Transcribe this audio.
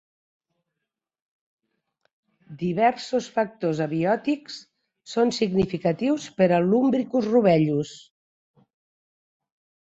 Diversos factors abiòtics són significatius per a "Lumbricus rubellus".